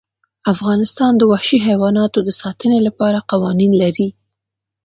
افغانستان د وحشي حیواناتو د ساتنې لپاره قوانین لري.